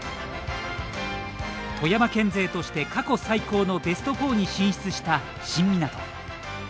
富山県勢として過去最高のベスト４に進出した新湊。